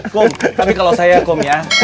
kum tapi kalau saya kum ya